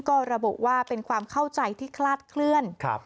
ก็ระบุว่าเป็นความเข้าใจที่คลาดเคลื่อน